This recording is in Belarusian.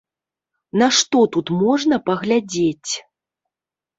На што тут можна паглядзець?